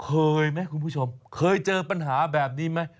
เคยไหมคุณผู้ชมเคยเจอปัญหาแบบนี้ไหม